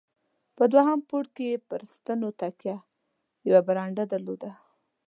په دوهم پوړ کې یې پر ستنو تکیه، یوه برنډه درلوده.